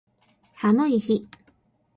寒い日